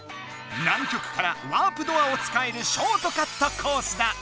南極からワープドアをつかえるショートカットコースだ。